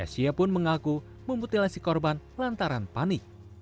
s y pun mengaku memutilasi korban lantaran panik